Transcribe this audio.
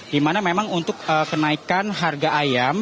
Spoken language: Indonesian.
dimana memang untuk penaikan harga ayam